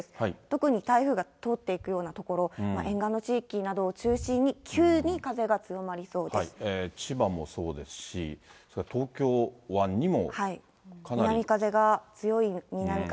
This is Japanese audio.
特に台風が通っていくような所、沿岸の地域などを中心に、千葉もそうですし、それから東京湾にもかなり。